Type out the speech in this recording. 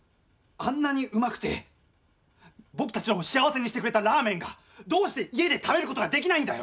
あんなにうまくて僕たちを幸せにしてくれたラーメンがどうして家で食べることができないんだよ！